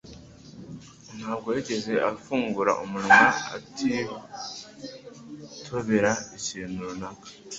Ntabwo yigeze afungura umunwa atitobera ikintu runaka.